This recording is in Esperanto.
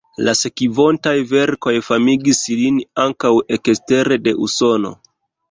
La sekvontaj verkoj famigis lin ankaŭ ekster de Usono.